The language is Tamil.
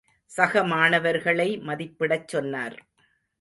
சக மாணவர்களை மதிப்பிடச் சொன்னார்.